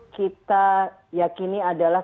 kita yakini adalah